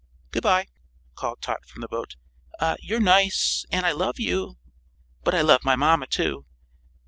"Good bye," called Tot from the boat. "You're nice, an' I love you. But I love my mamma, too."